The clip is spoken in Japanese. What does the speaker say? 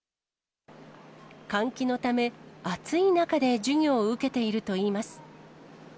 換気のため、暑い中で授業を受けているといいます。